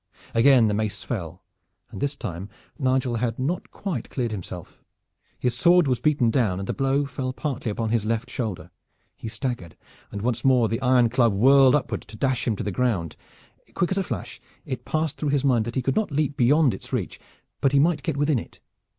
Again the mace fell, and this time Nigel had not quite cleared himself. His sword was beaten down and the blow fell partly upon his left shoulder. He staggered, and once more the iron club whirled upward to dash him to the ground. Quick as a flash it passed through his mind that he could not leap beyond its reach. But he might get within it.